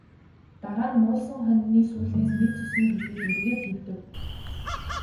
Дараа нь муулсан хонины сүүлнээс нэг зүсмийг идээд эргээд хэвтэв.